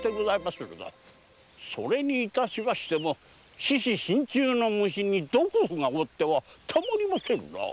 それにいたしましても獅子身中の虫に毒婦がおってはたまりませぬな。